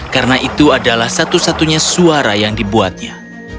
karena itu adalah satu satunya suara yang dibuatnya